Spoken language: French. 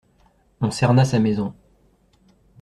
On cerna sa maison.